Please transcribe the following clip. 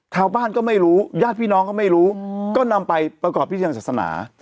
ชาวบ้านก็ไม่รู้ญาติพี่น้องก็ไม่รู้ก็นำไปประกอบพิธีทางศาสนา